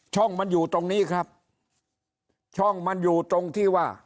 ช่องมันอยู่ตรงนี้ครับช่องมันอยู่ตรงที่ว่า